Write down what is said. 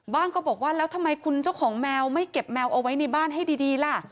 ก็บอกว่าแล้วทำไมคุณเจ้าของแมวไม่เก็บแมวเอาไว้ในบ้านให้ดีล่ะ